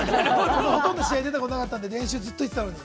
ほとんど試合出たことなかったので、ずっと練習してたのに。